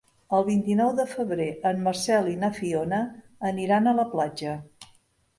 El vint-i-nou de febrer en Marcel i na Fiona aniran a la platja.